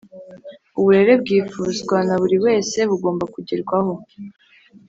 Uburere bwifuzwa naburi wese bugomba kugerwaho